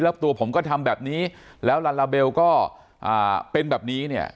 แล้วตัวผมก็ทำแบบนี้แล้วลาลาเบลก็เป็นแบบนี้เนี่ย